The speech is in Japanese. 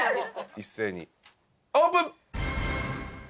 一斉にオープン！